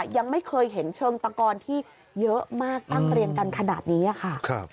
ยังไม่เคยเห็นเชิงตะกอนที่เยอะมากตั้งเรียงกันขนาดนี้ค่ะ